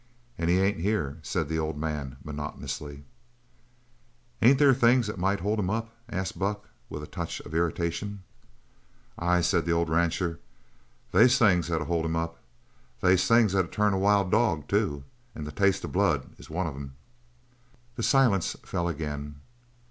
"And he ain't here," said the old man monotonously. "Ain't there things that might hold him up?" asked Buck, with a touch of irritation. "Ay," said the old rancher, "they's things that'll hold him up. They's things that'll turn a dog wild, too, and the taste of blood is one of 'em!" The silence fell again.